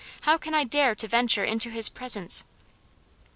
how can I dare to venture into his presence!"